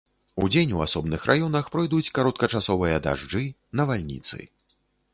Удзень у асобных раёнах пройдуць кароткачасовыя дажджы, навальніцы.